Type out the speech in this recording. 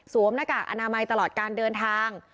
หน้ากากอนามัยตลอดการเดินทาง